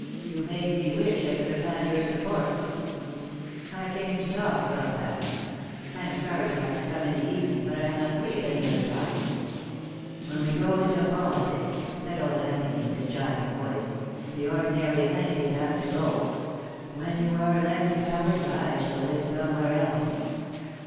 "You made me wish I could have had your support." "I came to talk about that. I am sorry to have to come in the evening, but I am not free at any other time." "When we go into politics," said old Anthony in his jibing voice, "the ordinary amenities have to go. When you are elected, Howard, I shall live somewhere else."